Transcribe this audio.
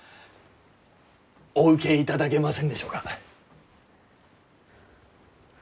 お受けいただけませんでしょうか？